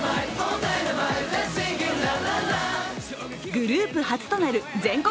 グループ初となる全国